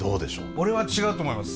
俺は違うと思います。